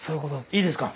いいですか。